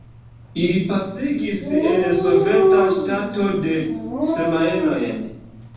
Ili pasigis en soveta ŝtato du semajnojn.